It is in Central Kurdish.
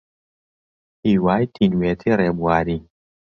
هیوای تینوێتی ڕێبواری